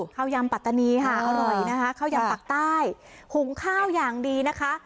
ยำปัตตานีค่ะอร่อยนะคะข้าวยำปากใต้หุงข้าวอย่างดีนะคะ